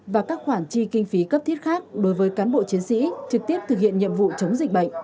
và các khoản chi kinh phí cấp thiết khác đối với cán bộ chiến sĩ trực tiếp thực hiện nhiệm vụ chống dịch bệnh